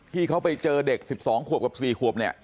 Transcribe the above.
ที่เขาไปเจอเด็ก๑๒ขวบกับ๔ขวบเนี่ย